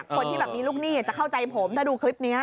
คนที่แบบมีลูกหนี้จะเข้าใจผมถ้าดูคลิปนี้